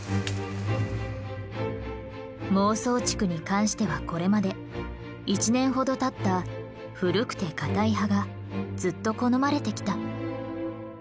孟宗竹に関してはこれまで１年ほどたった古くて硬い葉がずっと好まれてきた。